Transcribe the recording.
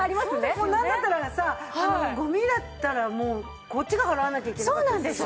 なんだったらさゴミだったらもうこっちが払わなきゃいけなかったりする。